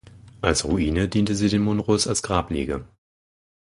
Als Ruine diente sie den Munros als Grablege.